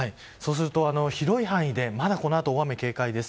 広い範囲でまだこのあと大雨に警戒です。